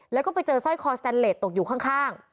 แล้วก็ไปเจอสร้อยคอสแตนเลสตกอยู่ข้าง